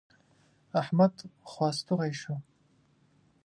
احمد خوا ستغی شو.